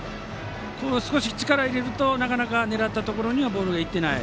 ここが少し力を入れるとなかなか狙ったところにはボールがいってない。